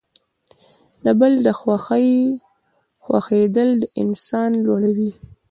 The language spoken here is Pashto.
د بل د خوښۍ خوښیدل انسان لوړوي.